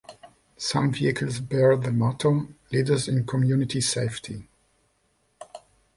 Some vehicles bear the motto Leaders in Community Safety.